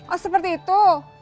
oh seperti itu